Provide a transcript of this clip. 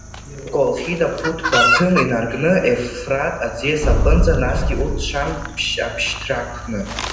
Колхида Ԥуҭ-Баҭым инаркны Евфрат аӡиас аҟынӡа, насгьы урҭ шан ԥшь-абшьҭракны…